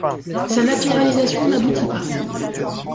Sa naturalisation n'aboutit pas.